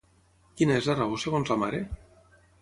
Quina és la raó segons la mare?